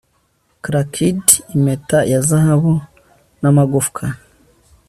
Crackd impeta ya zahabu namagufwa